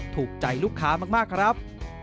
ถูกใจลูกค้ามากครับ